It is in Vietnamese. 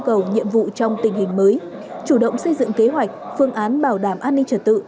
cầu nhiệm vụ trong tình hình mới chủ động xây dựng kế hoạch phương án bảo đảm an ninh trật tự